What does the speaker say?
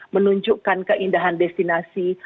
menunjukkan keindahan destinasi